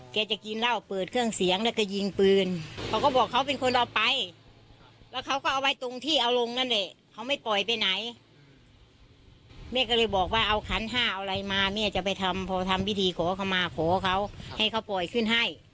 แกจะกินเหล้าเปิดเพลงเสียงแล้วก็ยิงปืน